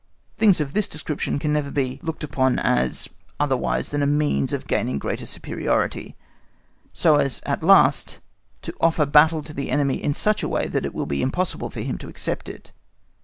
Things of this description can never be, looked upon otherwise than as means of gaining greater superiority, so as at last to offer battle to the enemy in such a way that it will be impossible for him to accept it.